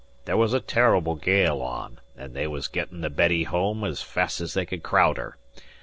There was a terr'ble gale on, an' they was gettin' the Betty home 's fast as they could craowd her.